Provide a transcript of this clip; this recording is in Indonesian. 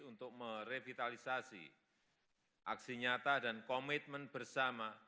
untuk merevitalisasi aksi nyata dan komitmen bersama